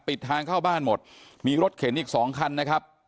ปิดทางเข้าบ้านหมดมีรถเข็นอีกสองคันนะครับ